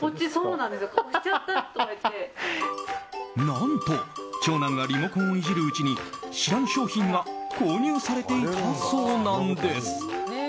何と、長男がリモコンをいじるうちに知らぬ商品が購入されていたそうなんです。